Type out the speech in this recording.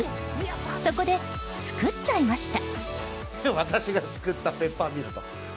そこで、作っちゃいました！